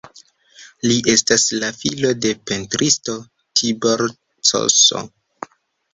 Li estas la filo de pentristo Tibor Cs.